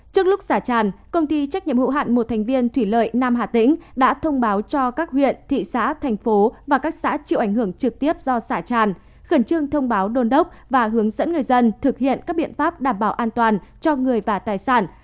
trước lúc xả tràn công ty trách nhiệm hữu hạn một thành viên thủy lợi nam hà tĩnh đã thông báo cho các huyện thị xã thành phố và các xã chịu ảnh hưởng trực tiếp do xả tràn khẩn trương thông báo đôn đốc và hướng dẫn người dân thực hiện các biện pháp đảm bảo an toàn cho người và tài sản